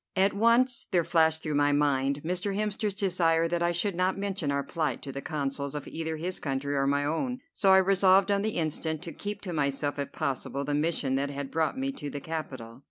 At once there flashed through my mind Mr. Hemster's desire that I should not mention our plight to the Consuls of either his country or my own, so I resolved on the instant to keep to myself, if possible, the mission that had brought me to the capital.